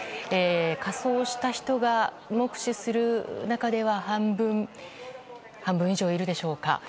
仮装をした人が、目視する中では半分以上いるでしょうか。